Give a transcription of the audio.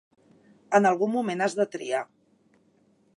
En algun moment, has de triar.